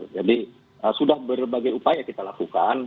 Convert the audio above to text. jadi sudah berbagai upaya kita lakukan